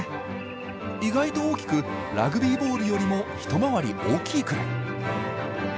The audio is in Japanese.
意外と大きくラグビーボールよりも一回り大きいくらい。